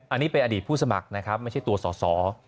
อันนี้เป็นอดีตผู้สมัครนะครับไม่ใช่ตัวสอสอ